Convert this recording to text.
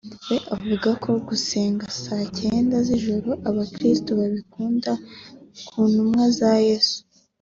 we avuga ko gusenga saa cyenda z’ijoro abakirisito babikura ku ntumwa za Yesu